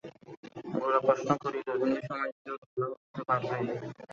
গোরা প্রশ্ন করিল, হিন্দুসমাজে কি ওঁর বিবাহ হতে পারবে?